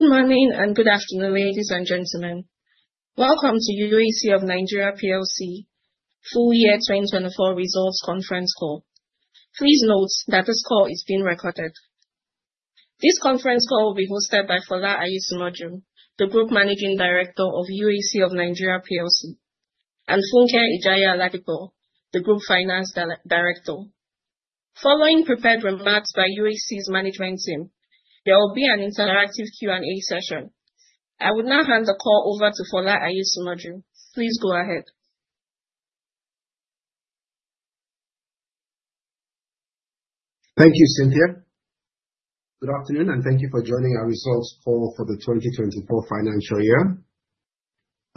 Good morning, good afternoon, ladies and gentlemen. Welcome to UAC of Nigeria PLC full year 2024 results conference call. Please note that this call is being recorded. This conference call will be hosted by Fola Aiyesimoju, the Group Managing Director of UAC of Nigeria PLC, and Funke Ijaiya-Oladipo, the Group Finance Director. Following prepared remarks by UAC's management team, there will be an interactive Q&A session. I will now hand the call over to Fola Aiyesimoju. Please go ahead. Thank you, Cynthia. Good afternoon, thank you for joining our results call for the 2024 financial year.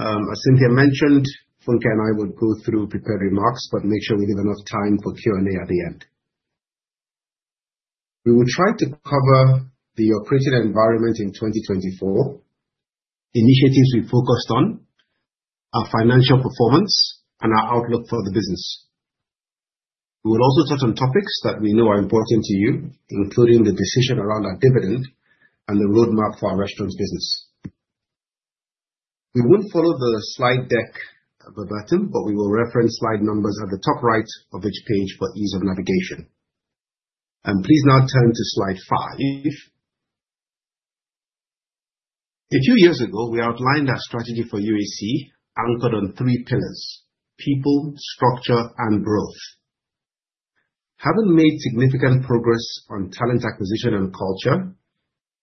As Cynthia mentioned, Funke and I will go through prepared remarks, make sure we leave enough time for Q&A at the end. We will try to cover the operating environment in 2024, initiatives we focused on, our financial performance, and our outlook for the business. We will also touch on topics that we know are important to you, including the decision around our dividend and the roadmap for our restaurants business. We won't follow the slide deck verbatim, we will reference slide numbers at the top right of each page for ease of navigation. Please now turn to slide five. A few years ago, we outlined our strategy for UAC anchored on three pillars: people, structure, and growth. Having made significant progress on talent acquisition and culture,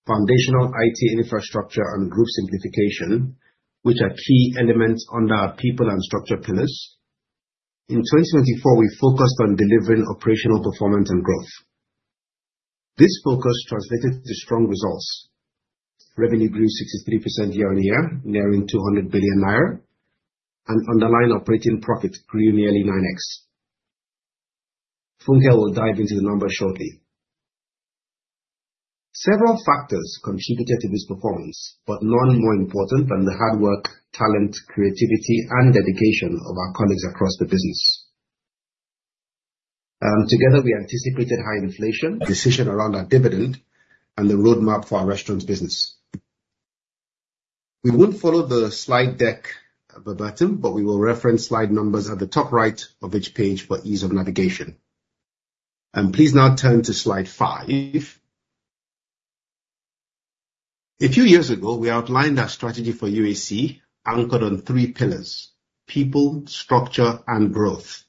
foundational IT infrastructure, and group simplification, which are key elements under our people and structure pillars. In 2024, we focused on delivering operational performance and growth. This focus translated to strong results. Revenue grew 63% year-on-year, nearing 200 billion naira, and underlying operating profit grew nearly 9x. Funke will dive into the numbers shortly. Several factors contributed to this performance, none more important than the hard work, talent, creativity, and dedication of our colleagues across the business. Together, we anticipated high inflation decision around our dividend and the roadmap for our restaurants business. We won't follow the slide deck verbatim, we will reference slide numbers at the top right of each page for ease of navigation. Please now turn to slide five. A few years ago, we outlined our strategy for UAC anchored on three pillars: people, structure, and growth.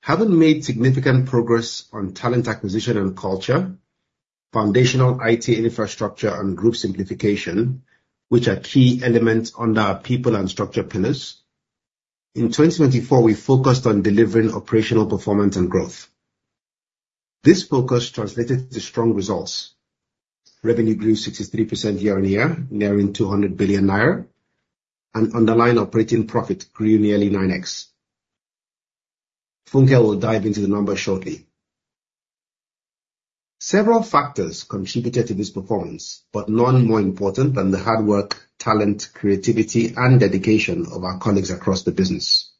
Having made significant progress on talent acquisition and culture, foundational IT infrastructure, and group simplification, which are key elements under our people and structure pillars. In 2024, we focused on delivering operational performance and growth. This focus translated to strong results. Revenue grew 63% year-on-year, nearing 200 billion naira, and underlying operating profit grew nearly 9x. Funke will dive into the numbers shortly. Several factors contributed to this performance, none more important than the hard work, talent, creativity, and dedication of our colleagues across the business.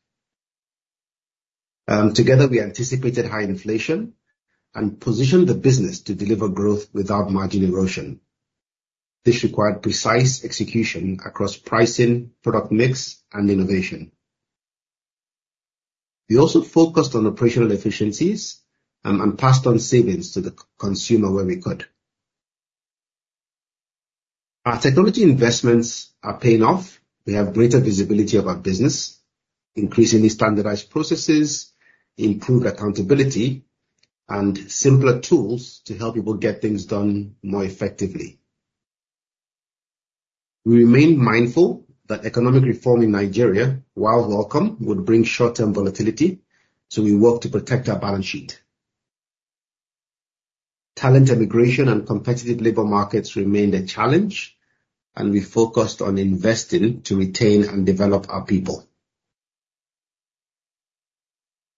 Together, we anticipated high inflation and positioned the business to deliver growth without margin erosion. This required precise execution across pricing, product mix, and innovation. We also focused on operational efficiencies and passed on savings to the consumer where we could. Our technology investments are paying off. We have greater visibility of our business, increasingly standardized processes, improved accountability, and simpler tools to help people get things done more effectively. We remain mindful that economic reform in Nigeria, while welcome, would bring short-term volatility. We work to protect our balance sheet. Talent immigration and competitive labor markets remained a challenge. We focused on investing to retain and develop our people.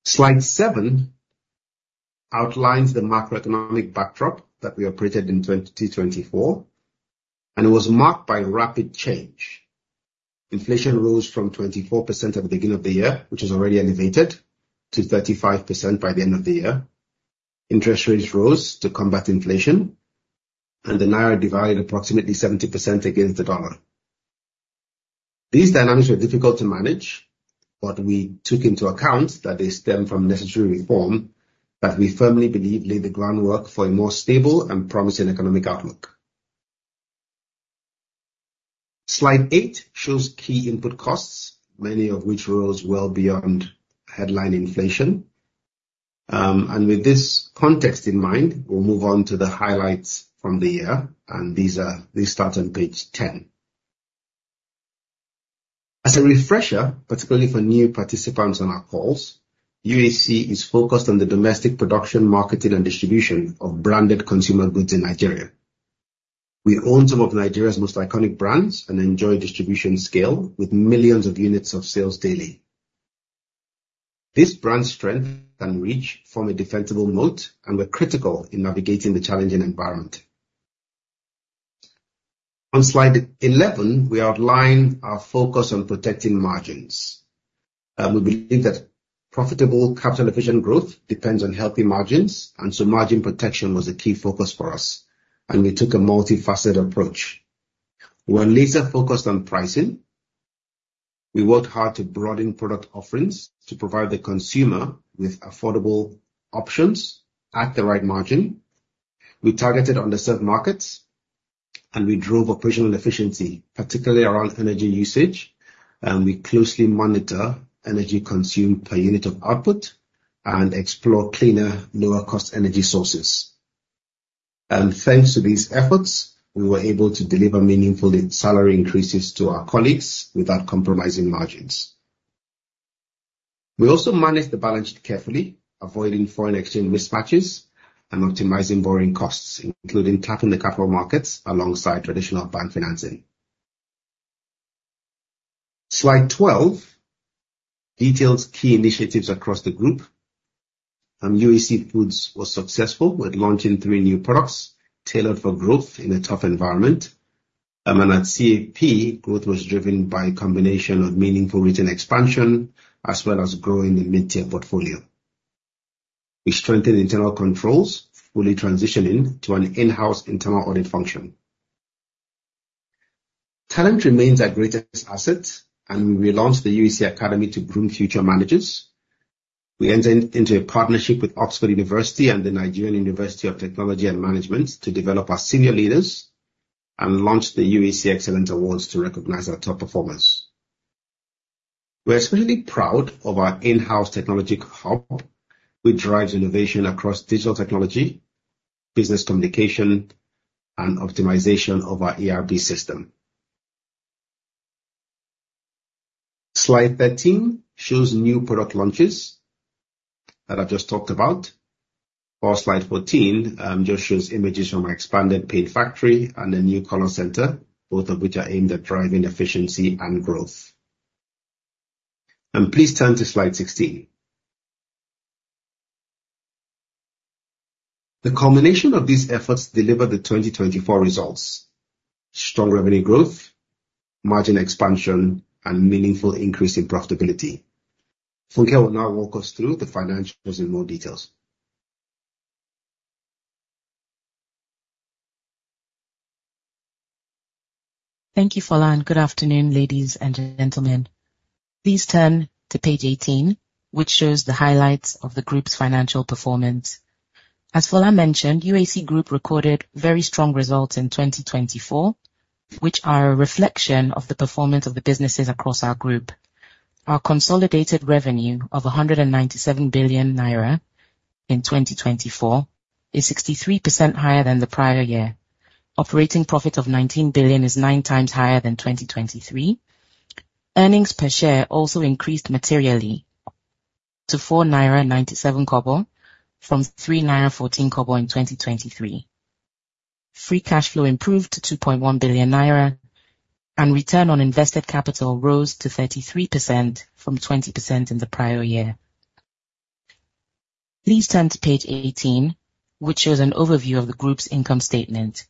Slide seven outlines the macroeconomic backdrop that we operated in 2024. It was marked by rapid change. Inflation rose from 24% at the beginning of the year, which is already elevated, to 35% by the end of the year. Interest rates rose to combat inflation. The naira devalued approximately 70% against the dollar. These dynamics were difficult to manage. We took into account that they stem from necessary reform that we firmly believe lay the groundwork for a more stable and promising economic outlook. Slide eight shows key input costs, many of which rose well beyond headline inflation. With this context in mind, we'll move on to the highlights from the year. These start on page 10. As a refresher, particularly for new participants on our calls, UAC is focused on the domestic production, marketing, and distribution of branded consumer goods in Nigeria. We own some of Nigeria's most iconic brands and enjoy distribution scale with millions of units of sales daily. This brand strength and reach form a defensible moat. We're critical in navigating the challenging environment. On slide 11, we outline our focus on protecting margins. We believe that profitable capital efficient growth depends on healthy margins. Margin protection was a key focus for us. We took a multifaceted approach. We are laser focused on pricing. We worked hard to broaden product offerings to provide the consumer with affordable options at the right margin. We targeted underserved markets. We drove operational efficiency, particularly around energy usage. We closely monitor energy consumed per unit of output and explore cleaner, lower cost energy sources. Thanks to these efforts, we were able to deliver meaningful salary increases to our colleagues without compromising margins. We also managed the balance sheet carefully, avoiding foreign exchange mismatches and optimizing borrowing costs, including tapping the capital markets alongside traditional bank financing. Slide 12 details key initiatives across the group. UAC Foods was successful with launching three new products tailored for growth in a tough environment. At CAP, growth was driven by a combination of meaningful regional expansion as well as growing the mid-tier portfolio. We strengthened internal controls, fully transitioning to an in-house internal audit function. Talent remains our greatest asset. We relaunched the UAC Academy to groom future managers. We entered into a partnership with Oxford University and the Nigerian University of Technology and Management to develop our senior leaders. We launched the UAC Excellence Awards to recognize our top performers. We are extremely proud of our in-house technology hub, which drives innovation across digital technology, business communication, and optimization of our ERP system. Slide 13 shows new product launches that I've just talked about, while slide 14 just shows images from our expanded paint factory and a new call center, both of which are aimed at driving efficiency and growth. Please turn to slide 16. The culmination of these efforts delivered the 2024 results: strong revenue growth, margin expansion, and meaningful increase in profitability. Funke will now walk us through the financials in more details. Thank you, Fola, and good afternoon, ladies and gentlemen. Please turn to page 18, which shows the highlights of the group's financial performance. As Fola mentioned, UAC Group recorded very strong results in 2024, which are a reflection of the performance of the businesses across our group. Our consolidated revenue of 197 billion naira in 2024 is 63% higher than the prior year. Operating profit of 19 billion is nine times higher than 2023. Earnings per share also increased materially to 4.97 naira from 3.14 naira in 2023. Free cash flow improved to 2.1 billion naira, and return on invested capital rose to 33% from 20% in the prior year. Please turn to page 18, which shows an overview of the group's income statement.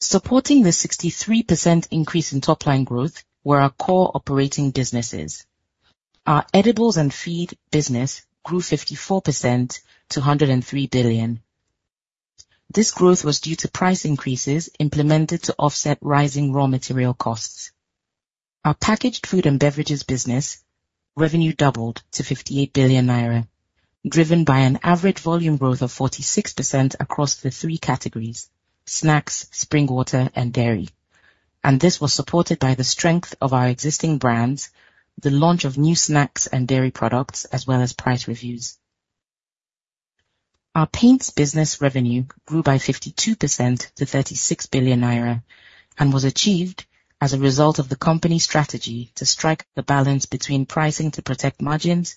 Supporting the 63% increase in top-line growth were our core operating businesses. Our edibles and feed business grew 54% to 103 billion. This growth was due to price increases implemented to offset rising raw material costs. Our packaged food and beverages business revenue doubled to 58 billion naira, driven by an average volume growth of 46% across the 3 categories: snacks, spring water, and dairy. This was supported by the strength of our existing brands, the launch of new snacks and dairy products, as well as price reviews. Our paints business revenue grew by 52% to 36 billion naira and was achieved as a result of the company strategy to strike a balance between pricing to protect margins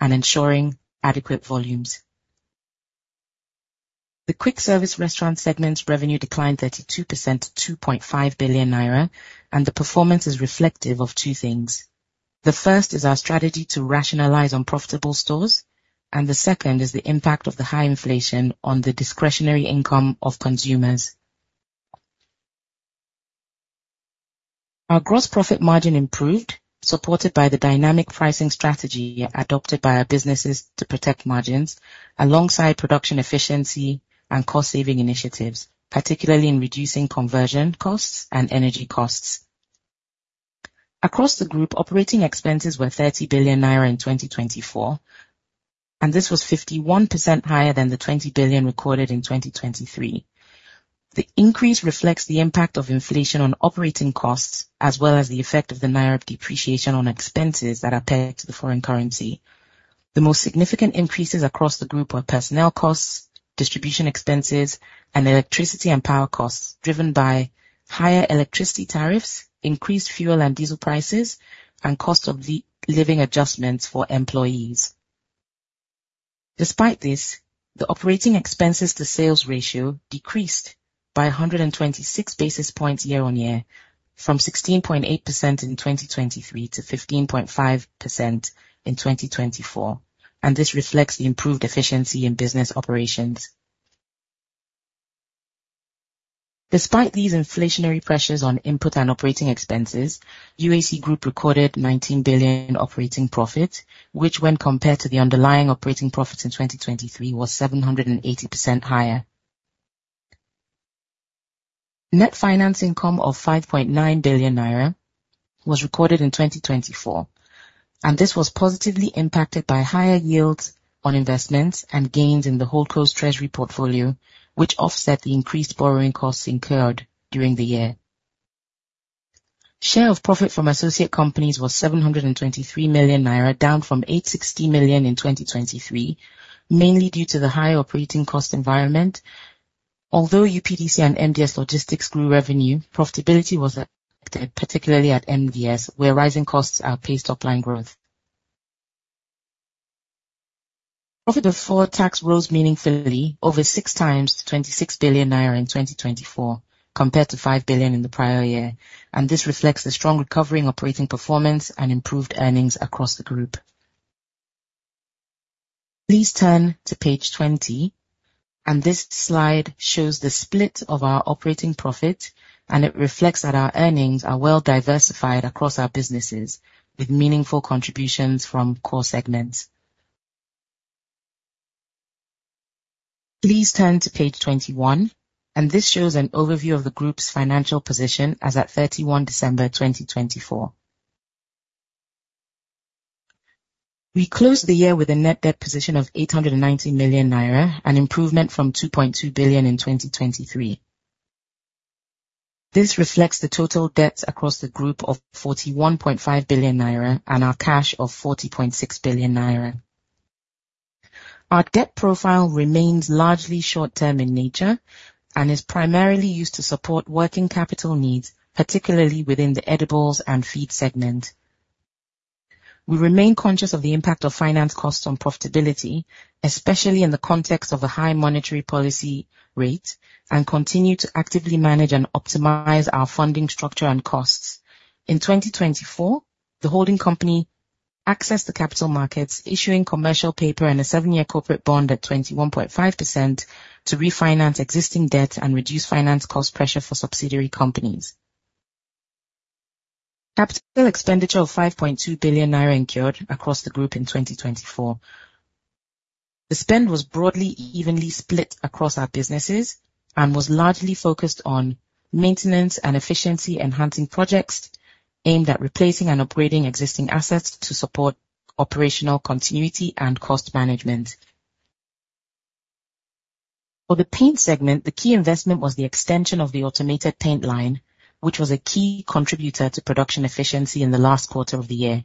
and ensuring adequate volumes. The Quick Service Restaurant segment's revenue declined 32% to 2.5 billion naira, and the performance is reflective of two things. The first is our strategy to rationalize unprofitable stores. The second is the impact of the high inflation on the discretionary income of consumers. Our gross profit margin improved, supported by the dynamic pricing strategy adopted by our businesses to protect margins alongside production efficiency and cost-saving initiatives, particularly in reducing conversion costs and energy costs. Across the group, operating expenses were 30 billion naira in 2024. This was 51% higher than the 20 billion recorded in 2023. The increase reflects the impact of inflation on operating costs, as well as the effect of the naira depreciation on expenses that are pegged to the foreign currency. The most significant increases across the group were personnel costs, distribution expenses, and electricity and power costs driven by higher electricity tariffs, increased fuel and diesel prices, and cost-of-living adjustments for employees. Despite this, the operating expenses to sales ratio decreased by 126 basis points year-on-year from 16.8% in 2023 to 15.5% in 2024. This reflects the improved efficiency in business operations. Despite these inflationary pressures on input and operating expenses, UAC Group recorded 19 billion in operating profit, which when compared to the underlying operating profit in 2023, was 780% higher. Net financing income of 5.9 billion naira was recorded in 2024. This was positively impacted by higher yields on investments and gains in the HoldCo's treasury portfolio, which offset the increased borrowing costs incurred during the year. Share of profit from associate companies was 723 million naira, down from 860 million in 2023, mainly due to the high operating cost environment. Although UPDC and MDS Logistics grew revenue, profitability was affected, particularly at MDS, where rising costs outpaced top-line growth. Profit before tax rose meaningfully, over six times to 26 billion naira in 2024, compared to 5 billion in the prior year. This reflects the strong recovery in operating performance and improved earnings across the group. Please turn to page 20. This slide shows the split of our operating profit. It reflects that our earnings are well diversified across our businesses with meaningful contributions from core segments. Please turn to page 21. This shows an overview of the group's financial position as at 31 December 2024. We closed the year with a net debt position of 890 million naira, an improvement from 2.2 billion in 2023. This reflects the total debt across the group of 41.5 billion naira and our cash of 40.6 billion naira. Our debt profile remains largely short-term in nature and is primarily used to support working capital needs, particularly within the edibles and feed segment. We remain conscious of the impact of finance costs on profitability, especially in the context of a high monetary policy rate, and continue to actively manage and optimize our funding structure and costs. In 2024, the holding company accessed the capital markets, issuing commercial paper and a seven-year corporate bond at 21.5% to refinance existing debt and reduce finance cost pressure for subsidiary companies. CapEx of 5.2 billion naira incurred across the group in 2024. The spend was broadly evenly split across our businesses and was largely focused on maintenance and efficiency-enhancing projects aimed at replacing and upgrading existing assets to support operational continuity and cost management. For the paint segment, the key investment was the extension of the automated paint line, which was a key contributor to production efficiency in the last quarter of the year.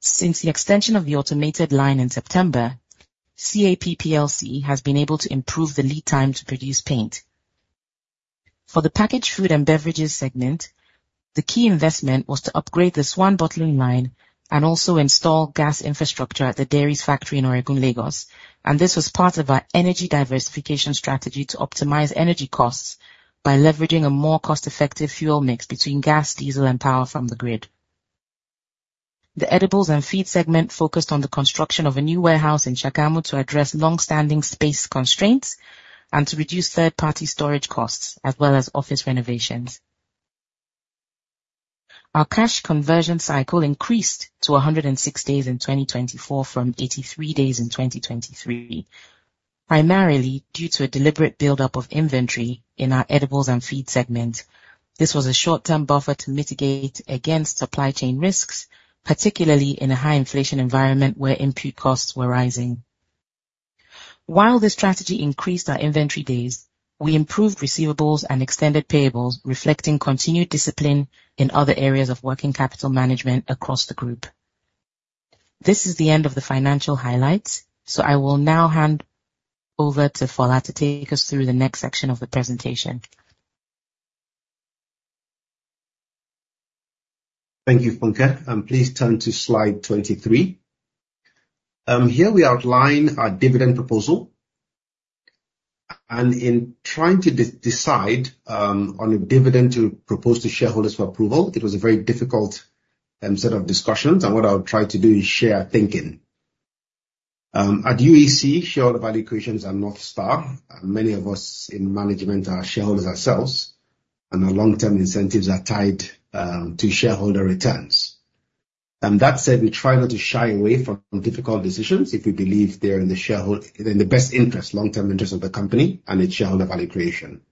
Since the extension of the automated line in September, CAP Plc has been able to improve the lead time to produce paint. For the packaged food and beverages segment, the key investment was to upgrade the SWAN bottling line and also install gas infrastructure at the Dairies factory in Oregun, Lagos. This was part of our energy diversification strategy to optimize energy costs by leveraging a more cost-effective fuel mix between gas, diesel and power from the grid. The edibles and feed segment focused on the construction of a new warehouse in Sagamu to address long-standing space constraints and to reduce third-party storage costs, as well as office renovations. Our cash conversion cycle increased to 106 days in 2024 from 83 days in 2023, primarily due to a deliberate buildup of inventory in our edibles and feed segment. This was a short-term buffer to mitigate against supply chain risks, particularly in a high inflation environment where input costs were rising. While this strategy increased our inventory days, we improved receivables and extended payables, reflecting continued discipline in other areas of working capital management across the group. This is the end of the financial highlights. I will now hand over to Fola to take us through the next section of the presentation. Thank you, Funke, and please turn to slide 23. Here we outline our dividend proposal. In trying to decide on a dividend to propose to shareholders for approval, it was a very difficult set of discussions, and what I'll try to do is share our thinking. At UAC, shareholder value creations are North Star, and many of us in management are shareholders ourselves, and our long-term incentives are tied to shareholder returns. That said, we try not to shy away from difficult decisions if we believe they're in the best interest, long-term interest of the company and its shareholder value creation,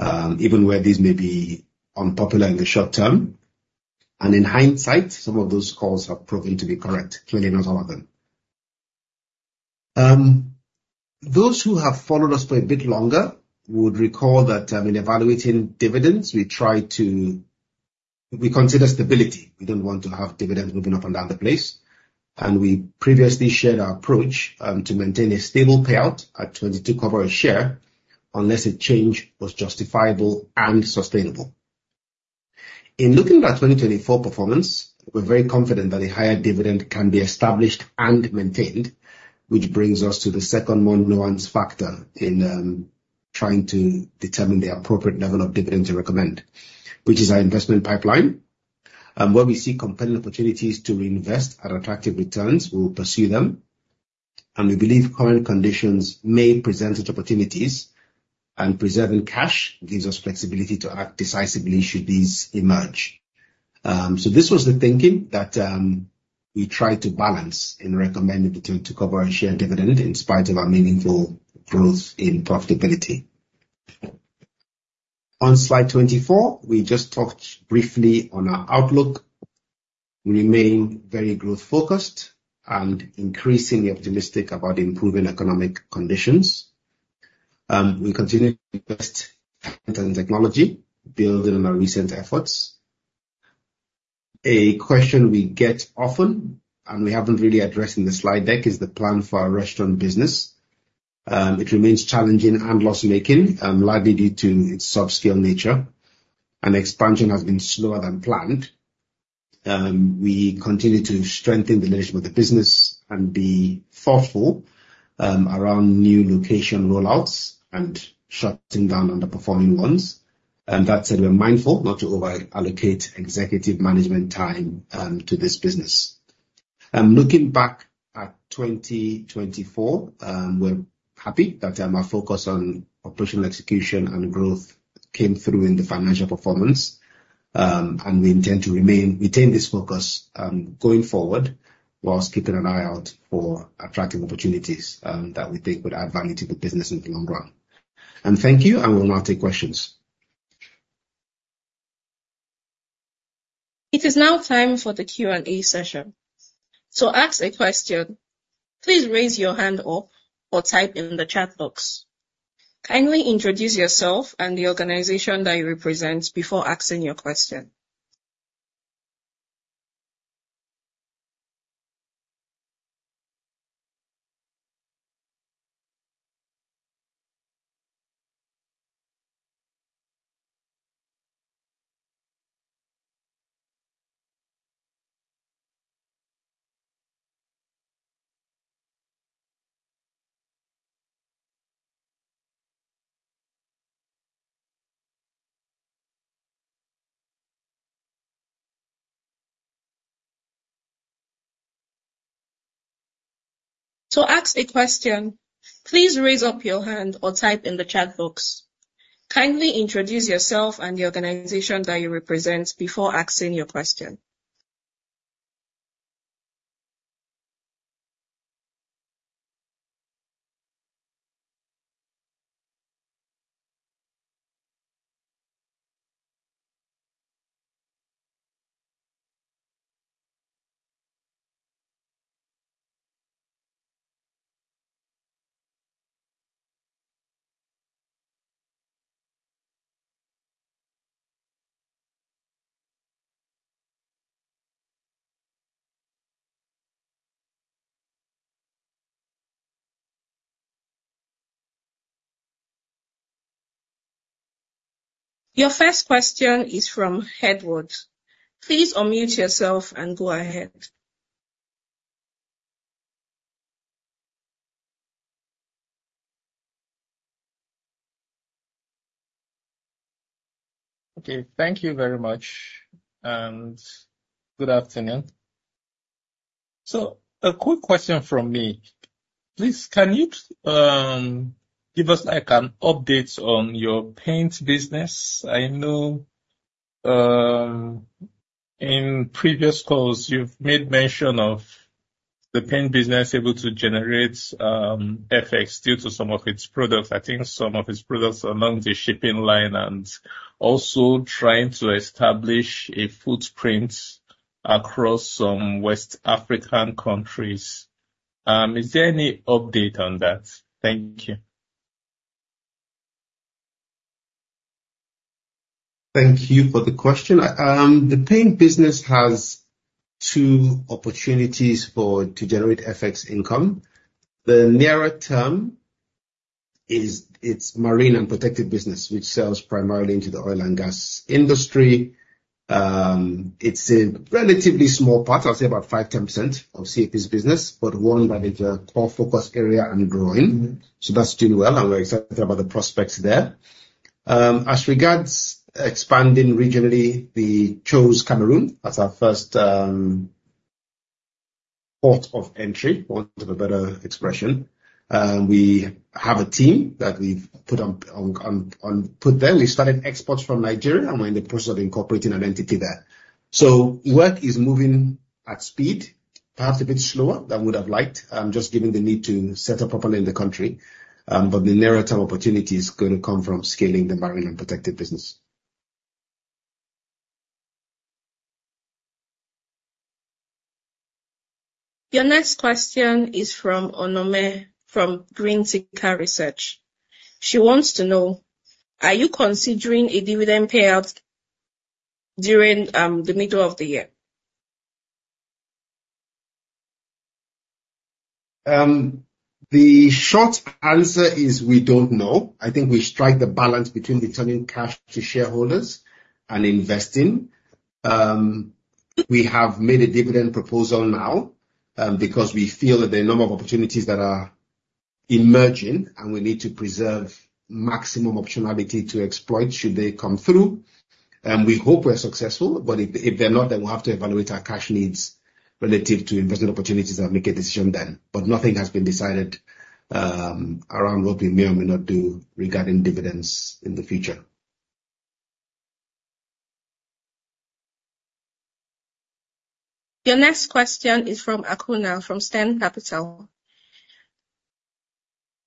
even where these may be unpopular in the short term. In hindsight, some of those calls have proven to be correct, clearly not all of them. Those who have followed us for a bit longer would recall that in evaluating dividends, we consider stability. We don't want to have dividends moving up and down the place. We previously shared our approach to maintain a stable payout at 22 kobo a share unless a change was justifiable and sustainable. In looking at our 2024 performance, we're very confident that a higher dividend can be established and maintained, which brings us to the second more nuanced factor in trying to determine the appropriate level of dividend to recommend, which is our investment pipeline. Where we see compelling opportunities to invest at attractive returns, we will pursue them. We believe current conditions may present such opportunities, and preserving cash gives us flexibility to act decisively should these emerge. This was the thinking that we tried to balance in recommending 2 kobo a share dividend in spite of our meaningful growth in profitability. On slide 24, we just talked briefly on our outlook. We remain very growth focused and increasingly optimistic about improving economic conditions. We continue to invest in technology, building on our recent efforts. A question we get often, and we haven't really addressed in the slide deck, is the plan for our restaurant business. It remains challenging and loss-making, largely due to its small scale nature. Expansion has been slower than planned. We continue to strengthen the management of the business and be thoughtful around new location roll-outs and shutting down underperforming ones. That said, we are mindful not to over-allocate executive management time to this business. Looking back at 2024, we're happy that our focus on operational execution and growth came through in the financial performance. We intend to retain this focus going forward, whilst keeping an eye out for attractive opportunities that we think would add value to the business in the long run. Thank you, I will now take questions. It is now time for the Q&A session. To ask a question, please raise your hand up or type in the chat box. Kindly introduce yourself and the organization that you represent before asking your question. To ask a question, please raise up your hand or type in the chat box. Kindly introduce yourself and the organization that you represent before asking your question. Your first question is from Edward. Please unmute yourself and go ahead. Okay. Thank you very much and good afternoon. A quick question from me. Please can you give us an update on your paint business? I know in previous calls you've made mention of the paint business able to generate FX due to some of its products. I think some of its products are along the shipping line and also trying to establish a footprint across some West African countries. Is there any update on that? Thank you. Thank you for the question. The paint business has two opportunities to generate FX income. The nearer term is its marine and protective business, which sells primarily into the oil and gas industry. It's a relatively small part, I'd say about five, 10% of CAP's business, but one that is a core focus area and growing. That's doing well, and we're excited about the prospects there. As regards expanding regionally, we chose Cameroon as our first port of entry, for want of a better expression. We have a team that we've put there. We started exports from Nigeria and we're in the process of incorporating an entity there. Work is moving at speed, perhaps a bit slower than we would have liked, just given the need to set up properly in the country. The nearer term opportunity is going to come from scaling the marine and protective business. Your next question is from Onome, from Green Tick Research. She wants to know, are you considering a dividend payout during the middle of the year? The short answer is we don't know. I think we strike the balance between returning cash to shareholders and investing. We have made a dividend proposal now because we feel that the number of opportunities that are emerging, and we need to preserve maximum optionality to exploit should they come through. We hope we're successful, but if they're not, then we'll have to evaluate our cash needs relative to investment opportunities and make a decision then. Nothing has been decided around what we may or may not do regarding dividends in the future. Your next question is from Akuna of StanCapital,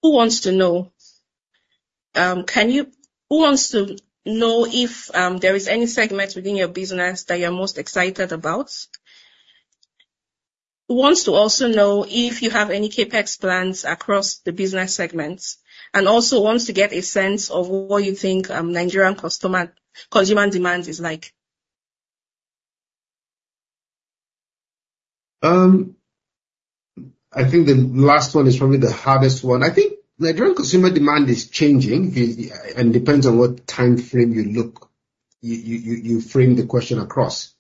who wants to know if there is any segment within your business that you're most excited about. He wants to also know if you have any CapEx plans across the business segments, and also wants to get a sense of what you think Nigerian consumer demand is like. I think the last one is probably the hardest one. I think Nigerian consumer demand is changing and depends on what time frame you look, you frame the question across.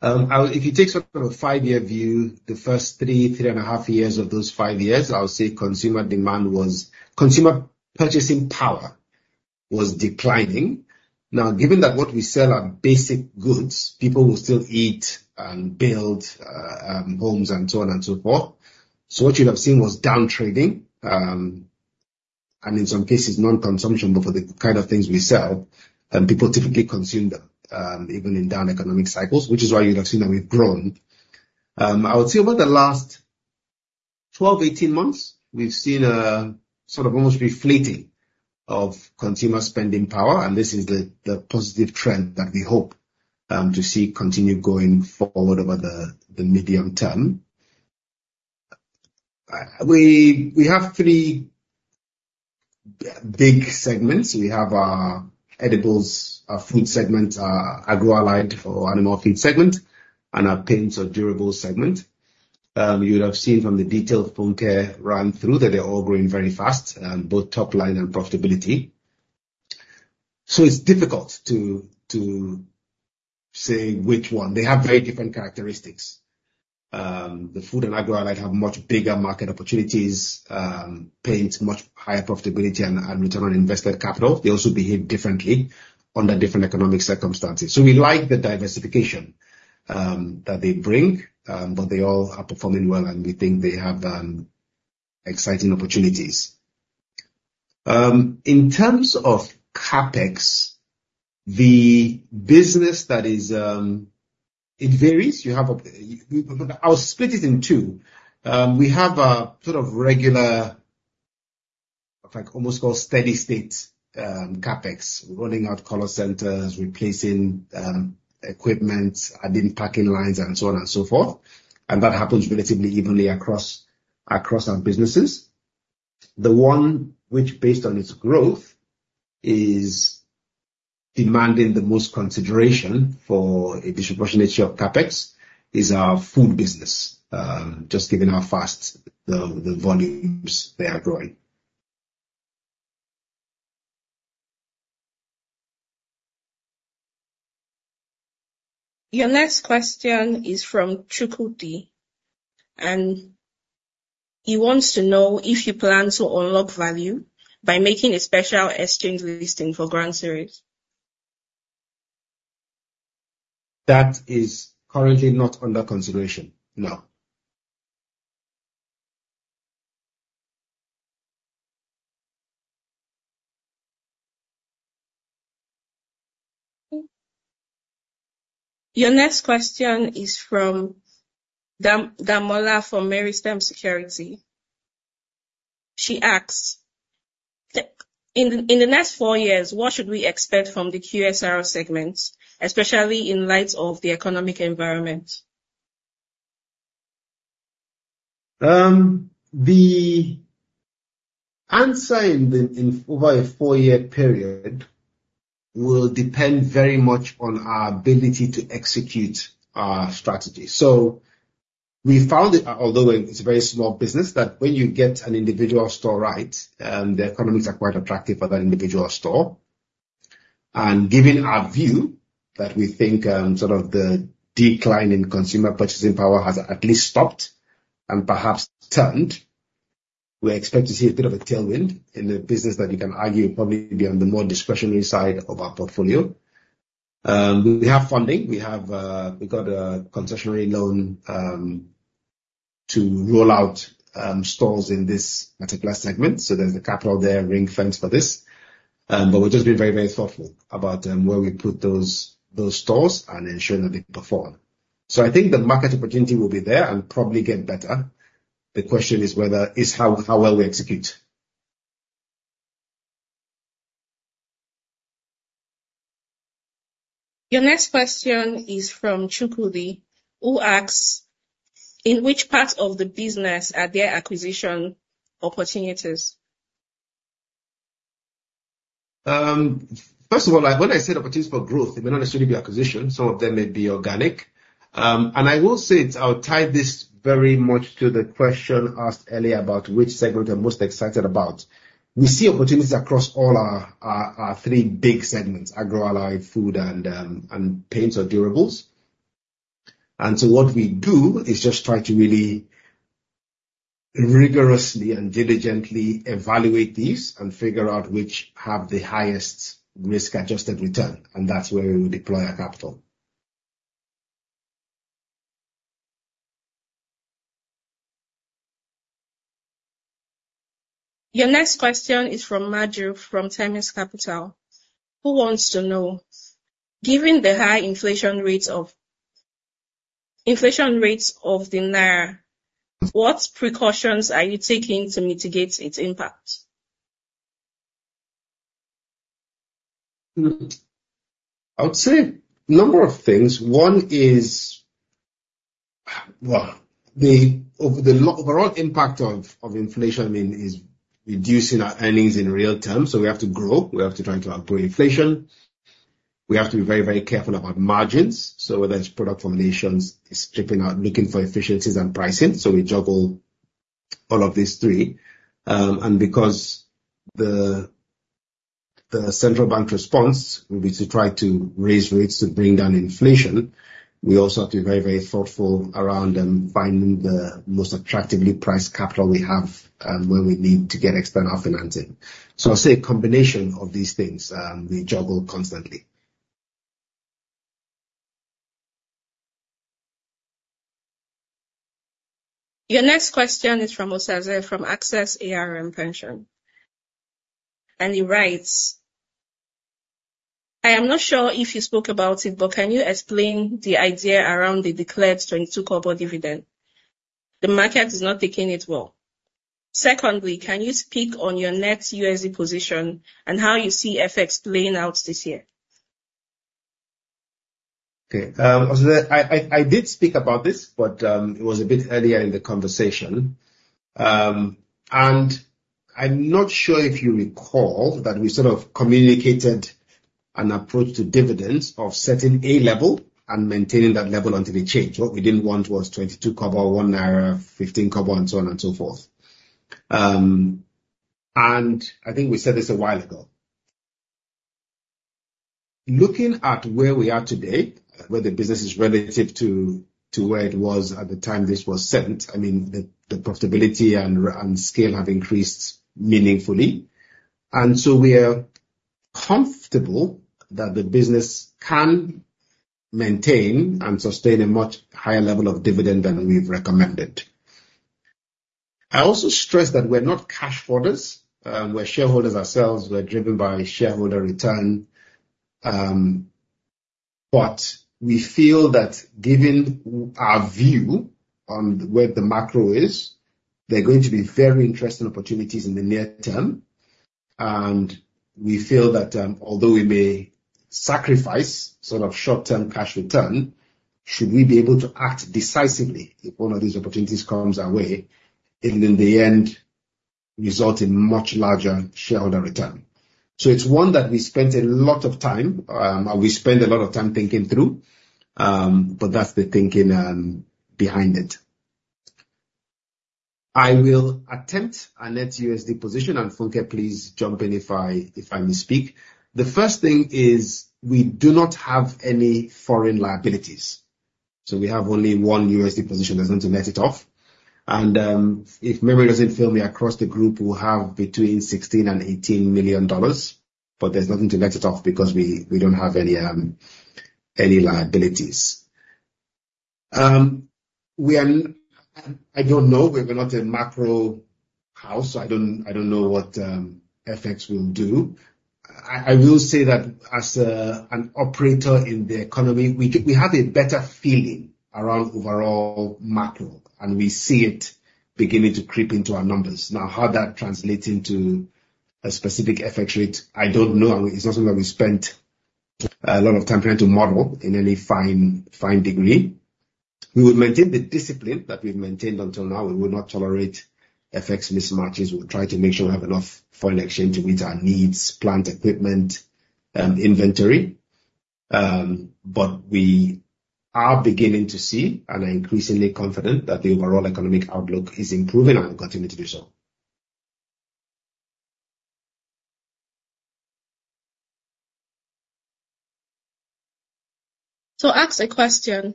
If you take sort of a five-year view, the first three and a half years of those five years, I would say consumer purchasing power was declining. Now, given that what we sell are basic goods, people will still eat and build homes and so on and so forth. What you'd have seen was down-trading, and in some cases non-consumption, but for the kind of things we sell, people typically consume them, even in down economic cycles, which is why you'd have seen that we've grown. I would say over the last 12, 18 months, we've seen a sort of almost reflating of consumer spending power, and this is the positive trend that we hope to see continue going forward over the medium term. We have three big segments. We have our edibles, our food segment, our agro-allied or animal feed segment, and our paints or durables segment. You would have seen from the detailed home care run through that they're all growing very fast on both top line and profitability. It's difficult to say which one. They have very different characteristics. The food and agro-allied have much bigger market opportunities, paints much higher profitability and return on invested capital. They also behave differently under different economic circumstances. We like the diversification that they bring. They all are performing well, and we think they have exciting opportunities. In terms of CapEx, it varies. I'll split it in two. We have a sort of regular, almost steady state CapEx, rolling out call centers, replacing equipment, adding packing lines and so on and so forth. That happens relatively evenly across our businesses. The one which based on its growth is demanding the most consideration for a disproportionate share of CapEx is our food business, just given how fast the volumes they are growing. Your next question is from Chukudi. He wants to know if you plan to unlock value by making a special exchange listing for Grand Cereals. That is currently not under consideration, no. Your next question is from Oyindamola from Meristem Securities. She asks, "In the next four years, what should we expect from the QSR segment, especially in light of the economic environment? The answer over a four-year period will depend very much on our ability to execute our strategy. We found that although it's a very small business, that when you get an individual store right, the economics are quite attractive for that individual store. Given our view that we think sort of the decline in consumer purchasing power has at least stopped and perhaps turned, we expect to see a bit of a tailwind in the business that you can argue probably be on the more discretionary side of our portfolio. We have funding. We got a concessionary loan to roll out stores in this multi-class segment, there's the capital there ring-fenced for this. We're just being very, very thoughtful about where we put those stores and ensuring that they perform. I think the market opportunity will be there and probably get better. The question is how well we execute. Your next question is from Chukudi, who asks, "In which part of the business are there acquisition opportunities? First of all, when I say opportunities for growth, it may not necessarily be acquisition. Some of them may be organic. I will say, I'll tie this very much to the question asked earlier about which segment I'm most excited about. We see opportunities across all our three big segments, agro-allied, food, and paints or durables. What we do is just try to really rigorously and diligently evaluate these and figure out which have the highest risk-adjusted return, and that's where we will deploy our capital. Your next question is from Maju from Themis Capital, who wants to know, given the high inflation rates of the naira, what precautions are you taking to mitigate its impact? I would say a number of things. One is, the overall impact of inflation is reducing our earnings in real terms. We have to grow, we have to try to outgrow inflation. We have to be very careful about margins. Whether it's product formulations, stripping out, looking for efficiencies and pricing. We juggle all of these three. Because the central bank response will be to try to raise rates to bring down inflation, we also have to be very thoughtful around finding the most attractively priced capital we have, where we need to get external financing. I'll say a combination of these things, we juggle constantly. Your next question is from Osaze, from Access ARM Pensions. He writes, "I am not sure if you spoke about it, but can you explain the idea around the declared 0.22 dividend? The market is not taking it well. Secondly, can you speak on your net USD position and how you see FX playing out this year? Okay. Osaze, I did speak about this, it was a bit earlier in the conversation. I'm not sure if you recall that we sort of communicated an approach to dividends of setting a level and maintaining that level until a change. What we didn't want was 0.22, 1 naira, 0.15, so on and so forth. I think we said this a while ago. Looking at where we are today, where the business is relative to where it was at the time this was set, the profitability and scale have increased meaningfully. We are comfortable that the business can maintain and sustain a much higher level of dividend than we've recommended. I also stress that we're not cash hoarders. We're shareholders ourselves, we're driven by shareholder return. We feel that given our view on where the macro is, there are going to be very interesting opportunities in the near term, we feel that although we may sacrifice short-term cash return, should we be able to act decisively if one of these opportunities comes our way, it will in the end result in much larger shareholder return. It's one that we spent a lot of time thinking through, but that's the thinking behind it. I will attempt a net USD position, Funke, please jump in if I misspeak. The first thing is we do not have any foreign liabilities. We have only one USD position. There's nothing to net it off. If memory doesn't fail me, across the group, we'll have between $16 million-$18 million. There's nothing to net it off because we don't have any liabilities. I don't know. We're not a macro house, I don't know what FX will do. I will say that as an operator in the economy, we have a better feeling around overall macro, we see it beginning to creep into our numbers. How that translates into a specific FX rate, I don't know. It's not something that we spent a lot of time trying to model in any fine degree. We will maintain the discipline that we've maintained until now. We will not tolerate FX mismatches. We will try to make sure we have enough foreign exchange to meet our needs, plant equipment, inventory. We are beginning to see and are increasingly confident that the overall economic outlook is improving and will continue to do so. To ask a question,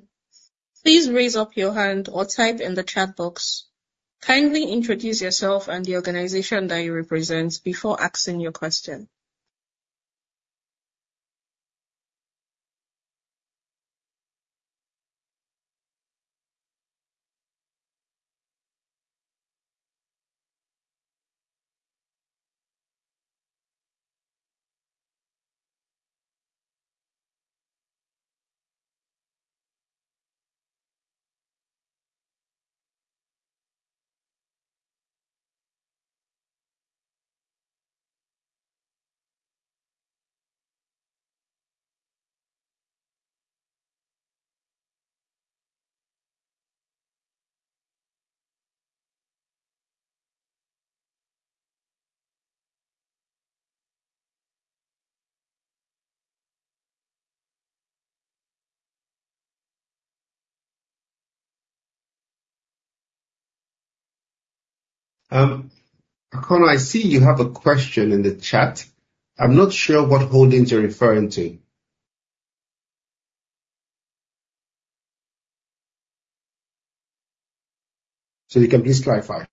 please raise up your hand or type in the chat box. Kindly introduce yourself and the organization that you represent before asking your question. Akona, I see you have a question in the chat. I'm not sure what holdings you're referring to. You can please clarify.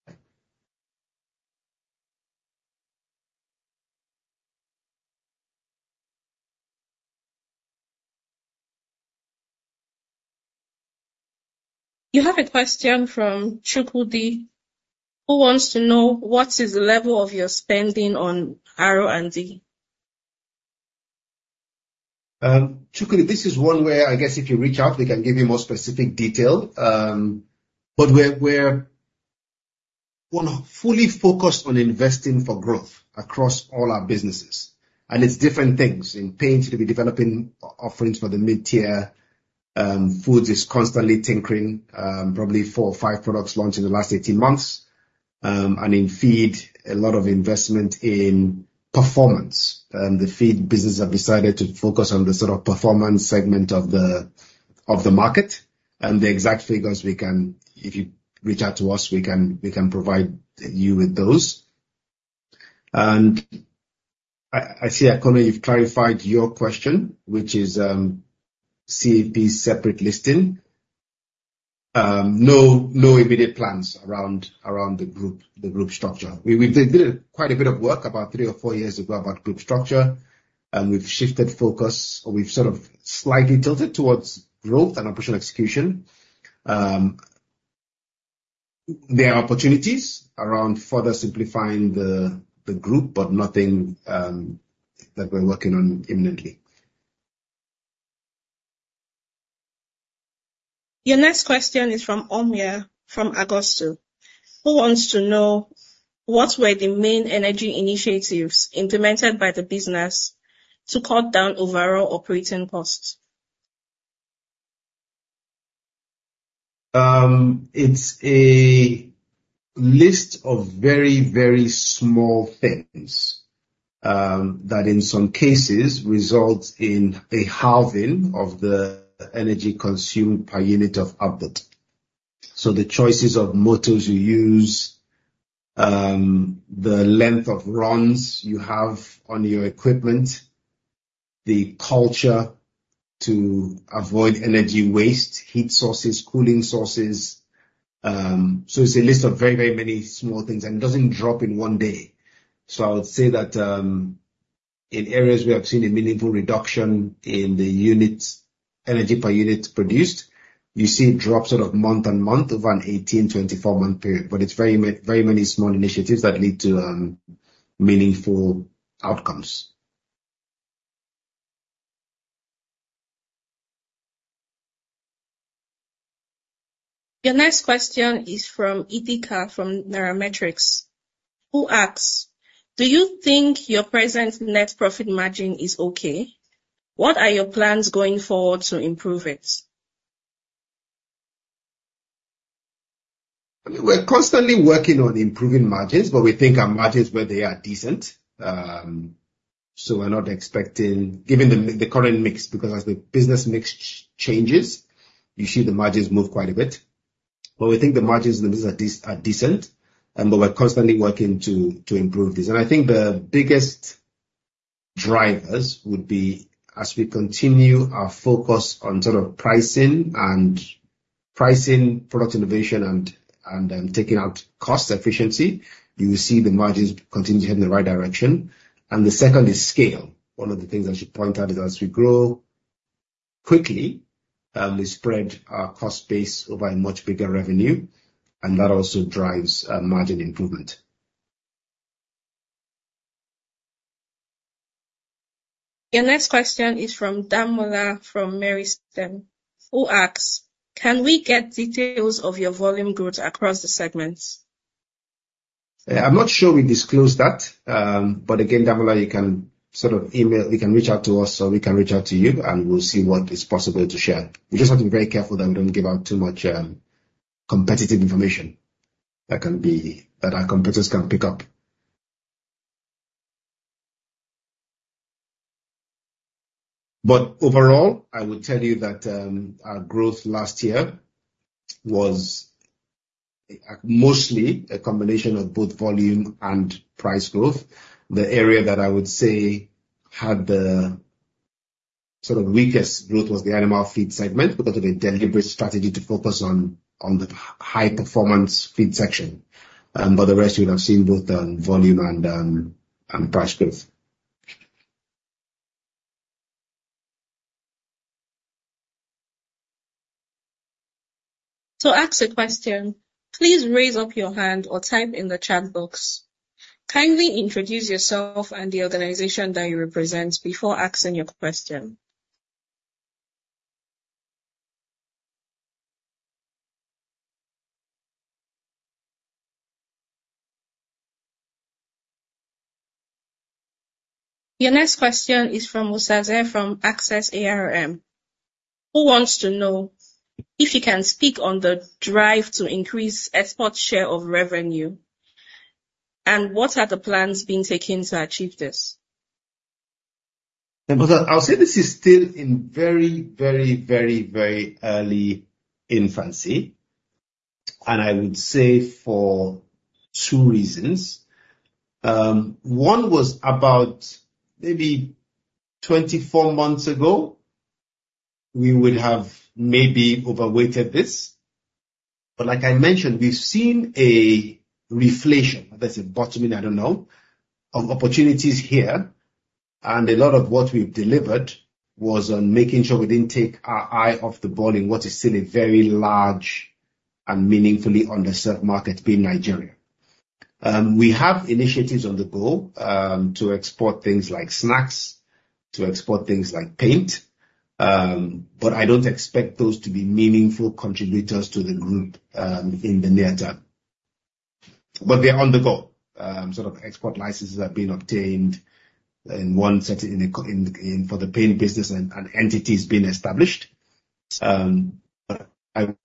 You have a question from Chukudi, who wants to know what is the level of your spending on R&D. Chukudi, this is one where I guess if you reach out, we can give you more specific detail. We're fully focused on investing for growth across all our businesses, and it's different things. In paint, we'll be developing offerings for the mid-tier. Foods is constantly tinkering, probably four or five products launched in the last 18 months. In feed, a lot of investment in performance. The feed business have decided to focus on the sort of performance segment of the market. The exact figures, if you reach out to us, we can provide you with those. I see, Akona, you've clarified your question, which is CAP separate listing. No immediate plans around the group structure. We did quite a bit of work about three or four years ago about group structure, and we've shifted focus, or we've sort of slightly tilted towards growth and operational execution. There are opportunities around further simplifying the group, but nothing that we're working on imminently. Your next question is from Omir from Agusto, who wants to know what were the main energy initiatives implemented by the business to cut down overall operating costs. It's a list of very, very small things that in some cases result in a halving of the energy consumed per unit of output. The choices of motors you use, the length of runs you have on your equipment, the culture to avoid energy waste, heat sources, cooling sources. It's a list of very, very many small things, and it doesn't drop in one day. I would say that in areas we have seen a meaningful reduction in the energy per unit produced. You see it drop sort of month on month over an 18-24-month period. It's very many small initiatives that lead to meaningful outcomes. Your next question is from Etika, from Neurometrics, who asks, "Do you think your present net profit margin is okay? What are your plans going forward to improve it? We're constantly working on improving margins, we think our margins where they are decent. We're not expecting given the current mix, because as the business mix changes, you see the margins move quite a bit, we think the margins are decent, we're constantly working to improve this. I think the biggest drivers would be as we continue our focus on sort of pricing and pricing product innovation and taking out cost efficiency, you will see the margins continue to head in the right direction. The second is scale. One of the things I should point out is as we grow quickly, we spread our cost base over a much bigger revenue, that also drives margin improvement. Your next question is from Oyindamola, from Meristem, who asks, "Can we get details of your volume growth across the segments? I'm not sure we disclose that. Again, Oyindamola, you can reach out to us, or we can reach out to you, we'll see what is possible to share. We just have to be very careful that we don't give out too much competitive information that our competitors can pick up. Overall, I would tell you that our growth last year was mostly a combination of both volume and price growth. The area that I would say had the sort of weakest growth was the animal feed segment because of a deliberate strategy to focus on the high performance feed section. The rest, you would have seen both on volume and price growth. To ask a question, please raise up your hand or type in the chat box. Kindly introduce yourself and the organization that you represent before asking your question. Your next question is from Osaze, from Access ARM, who wants to know if you can speak on the drive to increase export share of revenue, and what are the plans being taken to achieve this? Osaze, I'll say this is still in very early infancy, I would say for two reasons. One was about maybe 24 months ago, we would have maybe overweighted this. Like I mentioned, we've seen a reflation, whether it's a bottoming, I don't know, of opportunities here. A lot of what we've delivered was on making sure we didn't take our eye off the ball in what is still a very large and meaningfully underserved market being Nigeria. We have initiatives on the go to export things like snacks, to export things like paint. I don't expect those to be meaningful contributors to the group in the near term. They are on the go. Sort of export licenses have been obtained in one set for the paint business and an entity is being established. I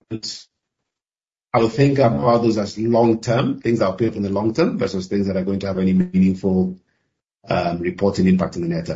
would think of all those as long-term, things that will pay off in the long term versus things that are going to have any meaningful reporting impact in the near term